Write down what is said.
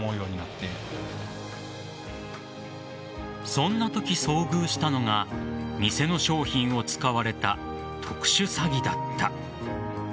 そんなとき、遭遇したのが店の商品を使われた特殊詐欺だった。